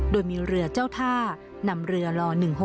โดยมีเรือเจ้าท่านำเรือล๑๖๖